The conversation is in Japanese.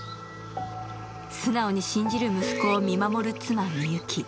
素直に信じる息子を見守る妻・美雪。